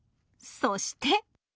そして。